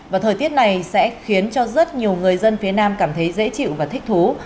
và thời tiết này sẽ khiến cho rất nhiều người dân phía nam cảm thấy dễ chịu và thích thú